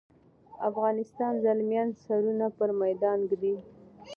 افغاني زلمیان سرونه پر میدان ږدي.